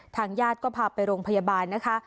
ทางญาติก็พาไปโรงพยาบาลนะคะ